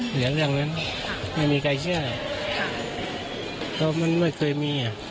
เหลือเรื่องนั้นไม่มีใครเชื่อค่ะเพราะมันไม่เคยมีอ่ะ